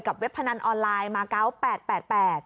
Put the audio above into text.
กับเว็บพนันออนไลน์มาเกาะ๘๘๘